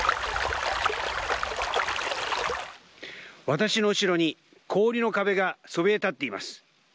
私の後ろに氷の壁がそびえ立っています。